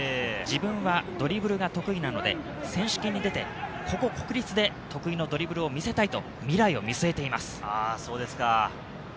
自分はドリブルが得意なので、選手権に出て、ここ国立で得意のドリブルを見せたいと未来を見据えています。